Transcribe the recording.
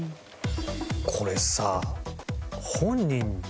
これさ。